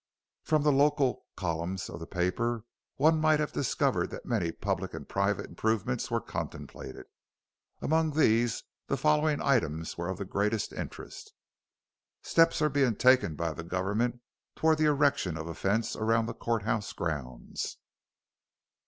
From the "local" columns of the paper one might have discovered that many public and private improvements were contemplated. Among these the following items were of the greatest interest: Steps are being taken by the government toward the erection of a fence around the court house grounds.